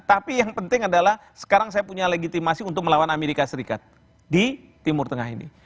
tapi yang penting adalah sekarang saya punya legitimasi untuk melawan amerika serikat di timur tengah ini